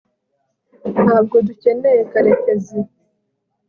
ntabwo dukeneye karekezi